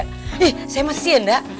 ih saya masih sih ya enggak